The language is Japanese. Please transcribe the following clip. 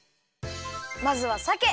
まずはさけ。